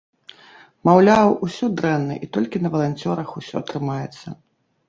Маўляў, усё дрэнна і толькі на валанцёрах усё трымаецца.